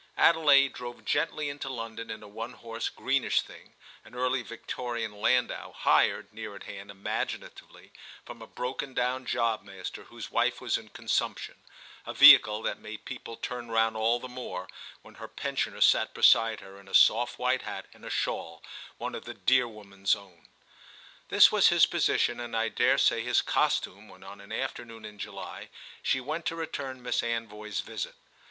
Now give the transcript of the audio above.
Adelaide drove gently into London in a one horse greenish thing, an early Victorian landau, hired, near at hand, imaginatively, from a broken down jobmaster whose wife was in consumption—a vehicle that made people turn round all the more when her pensioner sat beside her in a soft white hat and a shawl, one of the dear woman's own. This was his position and I dare say his costume when on an afternoon in July she went to return Miss Anvoy's visit.